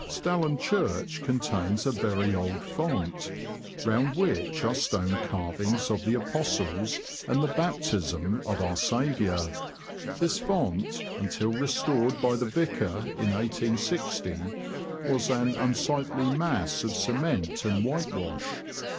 Stalham Church contains a very old font, round which are stone carvings of the Apostles and the Baptism of our Saviour; this font, until restored by the Vicar in i860, was an unsightly mass of cement and whitewash.